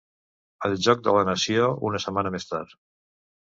El joc de la nació una setmana més tard.